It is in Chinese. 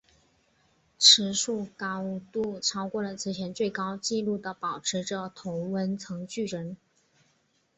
此树高度超过了之前最高纪录的保持者同温层巨人。